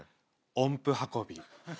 音符運び。